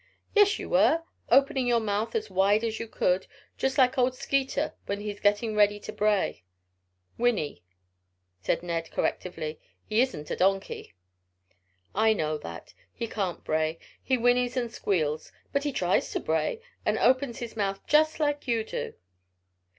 "Yes, you were; opening your mouth as wide as you could, just like old Skeeter when he's getting ready to bray." "Whinny," said Ned correctively. "He isn't a donkey." "I know that. He can't bray. He whinnies and squeals; but he tries to bray, and opens his mouth just like you do."